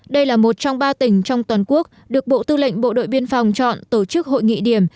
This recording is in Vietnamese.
đây là một trong ba tỉnh trong toàn quốc được bộ tư lệnh bộ đội biên phòng chọn tổ chức hội nghị điểm